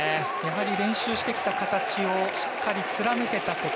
練習してきた形をしっかり貫けたこと。